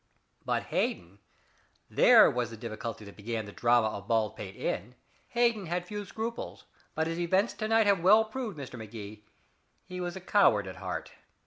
"But Hayden there was the difficulty that began the drama of Baldpate Inn. Hayden had few scruples, but as events to night have well proved, Mr. Magee, he was a coward at heart.